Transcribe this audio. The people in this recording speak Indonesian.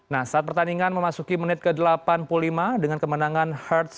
nah saat pertandingan memasuki menit ke delapan puluh lima dengan kemenangan herd satu